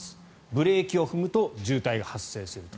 ブレーキを踏むと渋滞が発生すると。